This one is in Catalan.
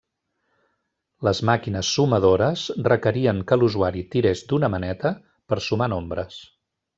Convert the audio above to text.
Les màquines sumadores requerien que l'usuari tirés d'una maneta per sumar nombres.